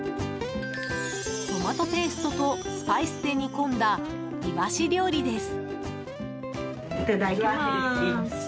トマトペーストとスパイスで煮込んだイワシ料理です。